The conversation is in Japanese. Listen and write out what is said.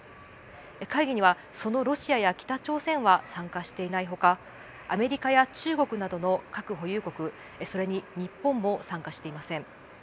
会議には、そのロシアや北朝鮮は参加していないほかアメリカや中国などの核保有国それに日本も参加していません。